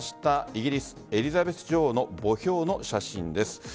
イギリス・エリザベス女王の墓標の写真です。